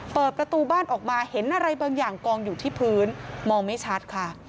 เปิดประตูบ้านออกมาเห็นอะไรบางอย่างกองอยู่ที่พื้นมองไม่ชัดค่ะ